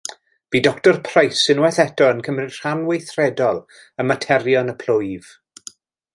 Bu Doctor Price unwaith eto yn cymryd rhan weithredol ym materion y plwyf.